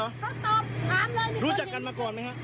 เขาตอบถามเลยรู้จักกันมาก่อนไหมฮะ